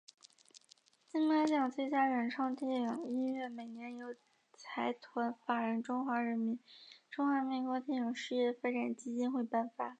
金马奖最佳原创电影音乐每年由财团法人中华民国电影事业发展基金会颁发。